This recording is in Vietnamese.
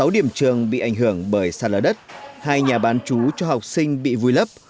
sáu điểm trường bị ảnh hưởng bởi xa lở đất hai nhà bán trú cho học sinh bị vui lấp